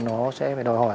nó sẽ phải đòi hỏi